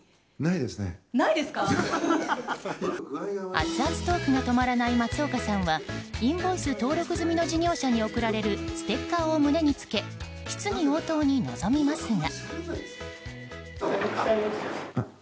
アツアツトークが止まらない松岡さんはインボイス登録済みの事業者に贈られるステッカーを胸につけ質疑応答に臨みますが。